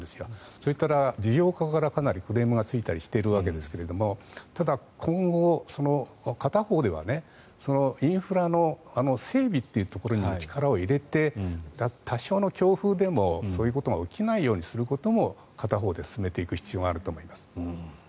そうしたら事業側からかなりクレームがついているわけですがただ、今後、片方ではインフラの整備というところにも力を入れて、多少の強風でもそういうことが起きないようにすることも片方で進めていく必要があると思います。